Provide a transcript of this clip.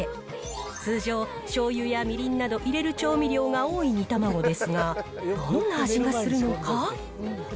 通常、しょうゆやみりんなど入れる調味料が多い煮卵ですが、どんな味がするのか。